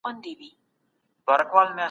تجربوي تګلاره علمي څېړنو ته اعتبار نه وربخښي؟